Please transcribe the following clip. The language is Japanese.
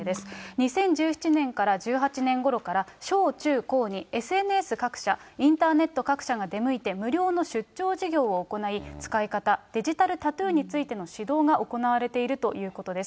２０１７年から１８年ごろから、小中高にＳＮＳ各社、インターネット各社が出向いて、無料の出張授業を行い、使い方、デジタルタトゥーについての指導が行われているということです。